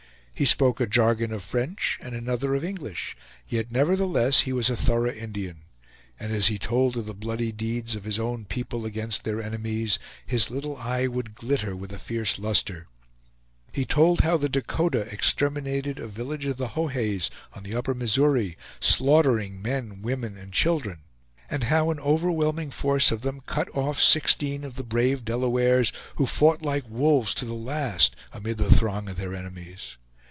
He spoke a jargon of French and another of English, yet nevertheless he was a thorough Indian; and as he told of the bloody deeds of his own people against their enemies, his little eye would glitter with a fierce luster. He told how the Dakota exterminated a village of the Hohays on the Upper Missouri, slaughtering men, women, and children; and how an overwhelming force of them cut off sixteen of the brave Delawares, who fought like wolves to the last, amid the throng of their enemies.